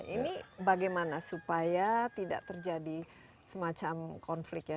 ini bagaimana supaya tidak terjadi semacam konflik ya